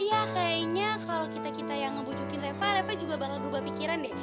iya kayaknya kalau kita kita yang ngebujukin reva reva juga bakal berubah pikiran deh